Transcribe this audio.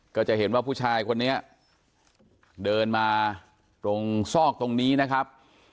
ก็จะเห็นว่าผู้ชายคนนี้เดินมาตรงซอกตรงนี้นะครับ